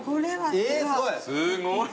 えすごい。